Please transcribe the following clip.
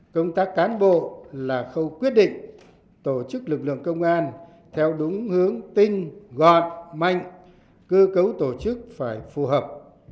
công tác cán bộ là khâu quyết định tổ chức lực lượng công an theo đúng hướng tinh gọn mạnh cơ cấu tổ chức phải phù hợp